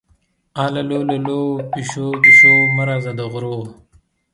اللو للو، پیشو-پیشو مه راځه د غرو